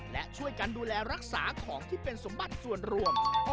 และช่วยกันดูแลรักษาของที่เป็นสมบัติส่วนรวม